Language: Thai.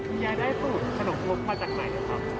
คุณยายได้สูตรขนมมุกมาจากไหนครับครับ